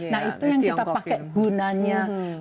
nah itu yang kita pakai gunanya